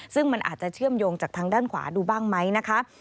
ซึ่งมันอาจจะเชื่อมโยงจากทางด้านขวาดูบ้างไหมนะคะ